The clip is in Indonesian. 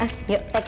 ha ha yuk pegang aja